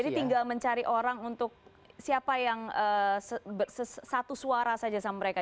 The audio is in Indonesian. jadi tinggal mencari orang untuk siapa yang satu suara saja sama mereka